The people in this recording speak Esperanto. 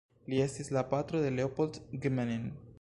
Li estis la patro de Leopold Gmelin.